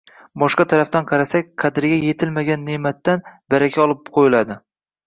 Boshqa tarafdan qarasak, qadriga yetilmagan ne’matdan baraka olib qo‘yiladi.